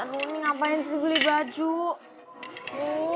rumi ngapain sih beli baju